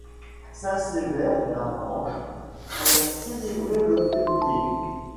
Saint-Sever d'Avranches est célébré le février.